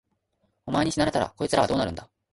お前に死なれたら、こいつらはどうなるんだ。